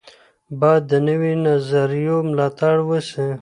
باید د نویو نظریو ملاتړ وسي.